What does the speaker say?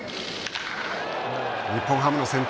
日本ハムの先頭